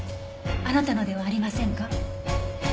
あなたのではありませんか？